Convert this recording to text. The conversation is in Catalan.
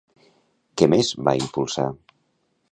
Què més va impulsar?